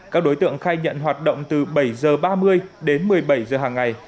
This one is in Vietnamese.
các đối tượng khai nhận hoạt động từ bảy h ba mươi đến một mươi bảy h hàng ngày